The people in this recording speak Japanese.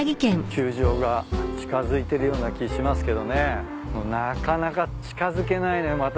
球場が近づいてるような気しますけどねなかなか近づけないのよ。